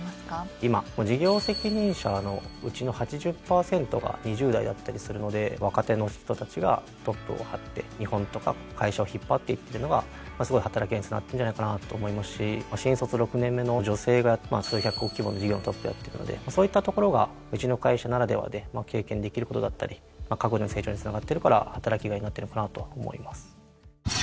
今事業責任者のうちの８０％が２０代だったりするので若手の人たちがトップを張って日本とか会社を引っ張っていってるのがすごい働きがいにつながってるんじゃないかなと思いますし新卒６年目の女性が数百億規模の事業のトップやってるのでそういったところがうちの会社ならではで経験できることだったり各自の成長につながってるから働きがいになってるのかなとは思います。